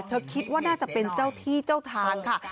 คิดว่าน่าจะเป็นเจ้าที่เจ้าทางค่ะ